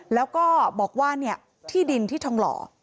แล้วก็บอกว่าที่ดินที่ทองหล่อ